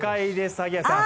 萩谷さん。